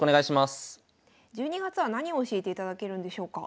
１２月は何を教えていただけるんでしょうか？